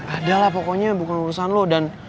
adalah pokoknya bukan urusan lo dan